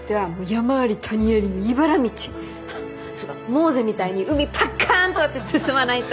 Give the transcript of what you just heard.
モーゼみたいに海パッカーンと割って進まないと！